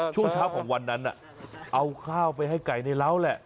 ช่วงเช้าของวันนั้นเอาข้าวไปให้ไก่ในเล้าแหละ